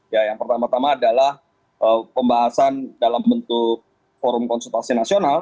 ya yang pertama tama adalah pembahasan dalam bentuk forum konsultasi nasional